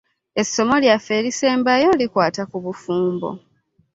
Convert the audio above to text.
Essomo lyaffe erisembayo likwata ku bufumbo.